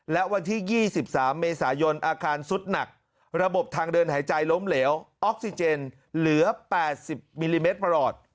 และวันที่๒๓เมษายนอาการสุดหนักระบบทางเดินหายใจล้มเหลวออกซิเจนเหลือ๘๐มิลลิเมตรประหลอด